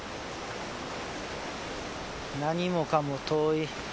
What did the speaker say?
何もかも遠い。